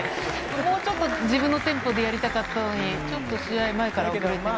もうちょっと自分のテンポでやりたかったのにちょっと試合前から遅れてる。